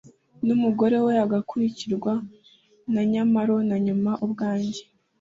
numugore we, agakurikirwa na nyamalo na nyuma ubwanjye